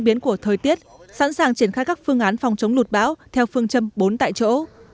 về nơi tiết sẵn sàng triển khai các phương án phòng chống lụt bão theo phương châm bốn tại chỗ